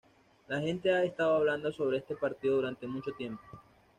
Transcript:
La gente ha estado hablando sobre este partido durante mucho tiempo.